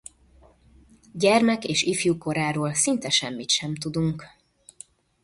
Gyermek- és ifjúkoráról szinte semmit sem tudunk.